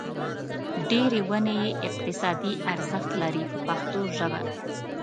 ډېرې ونې یې اقتصادي ارزښت لري په پښتو ژبه.